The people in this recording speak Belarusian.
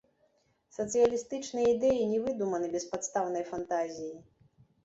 Сацыялістычныя ідэі не выдуманы беспадстаўнай фантазіяй.